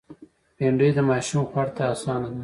بېنډۍ د ماشومو خوړ ته آسانه ده